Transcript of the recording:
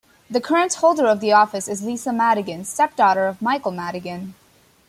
The current holder of the office is Lisa Madigan, step-daughter of Michael Madigan.